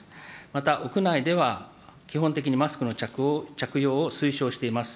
また屋内では、基本的にマスクの着用を推奨しています。